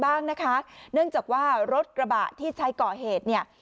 บ้างนะคะเนื่องจากว่ารถกระบะที่ใช้ก่อเหตุเนี่ย